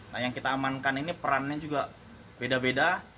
nah yang kita amankan ini perannya juga beda beda